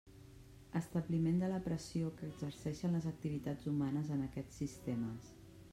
Establiment de la pressió que exerceixen les activitats humanes en aquests sistemes.